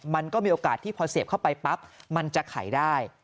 มันก็มีโอกาสที่พอเสพเข้าไปปั๊บมันจะไขได้